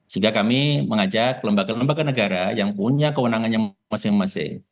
sehingga kami mengajak lembaga lembaga negara yang punya kewenangannya masing masing